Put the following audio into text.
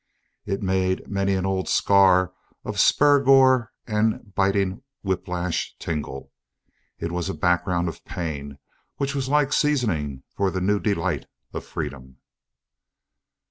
It made many an old scar of spur gore and biting whiplash tingle; it was a background of pain which was like seasoning for the new delight of freedom.